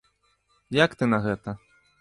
Як ты на гэта?